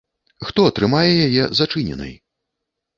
Хто трымае яе зачыненай?